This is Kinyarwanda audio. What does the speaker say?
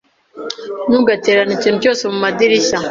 Ntugatererane ikintu cyose mumadirishya.